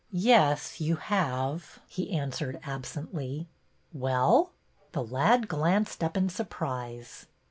'' Yes, you have," he answered absently. Well?" The lad glanced up in surprise.